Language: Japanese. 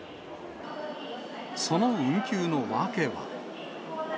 その運休のわけは。